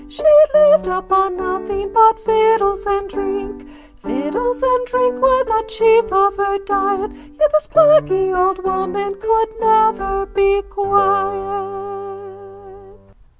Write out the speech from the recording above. She lived upon nothing but victuals and drink; Victuals and drink were the chief of her diet, Yet this plaguey old woman could never be quiet.